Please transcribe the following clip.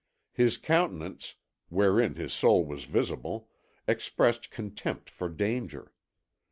His countenance, wherein his soul was visible, expressed contempt for danger.